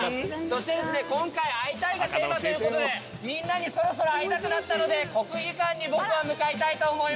そして今回「会いたい」がテーマということでみんなにそろそろ会いたくなったので国技館に僕は向かいたいと思います。